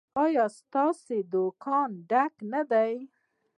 ایا ستاسو دکان ډک نه دی؟